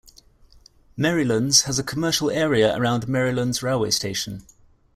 Merrylands has a commercial area around Merrylands railway station.